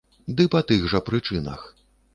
Ды па тых жа прычынах.